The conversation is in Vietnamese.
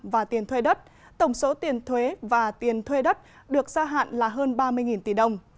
và tiền thuê đất tổng số tiền thuế và tiền thuê đất được gia hạn là hơn ba mươi tỷ đồng